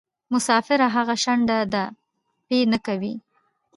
مسافره هغه شڼډه ده پۍ نکوي.